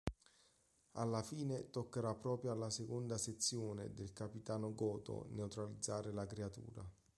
Alla fine toccherà proprio alla Seconda Sezione del capitano "Goto" neutralizzare la creatura.